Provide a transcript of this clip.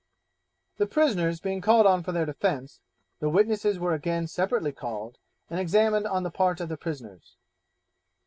The prisoners being called on for their defence, the witnesses were again separately called and examined on the part of the prisoners.